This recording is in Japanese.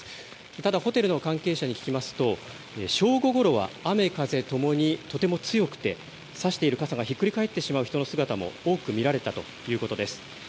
ただホテルの関係者に聞きますと正午ごろは雨風ともにとても強くて、差している傘がひっくり返ってしまう人の姿も多く見られたということです。